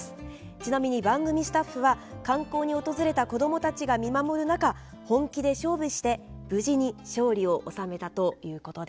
ちなみに番組スタッフは観光に訪れた子供たちが見守る中本気で勝負して無事に勝利を収めたということです。